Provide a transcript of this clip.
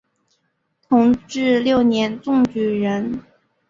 同治六年中举人。